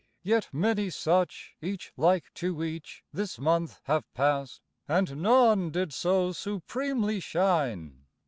Yet many such, Each like to each, this month have passed, And none did so supremely shine.